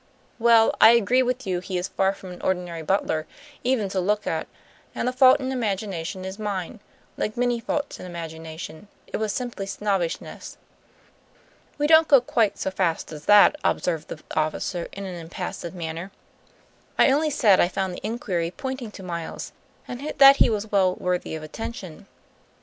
Well, I agree with you he is far from an ordinary butler, even to look at; and the fault in imagination is mine. Like many faults in imagination, it was simply snobbishness." "We don't go quite so fast as that," observed the officer, in an impassive manner. "I only said I found the inquiry pointing to Miles; and that he was well worthy of attention.